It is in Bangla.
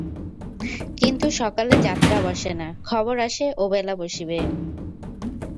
কিন্তু সকালে যাত্রা বসে না, খবর আসে ওবেলা বসিবে।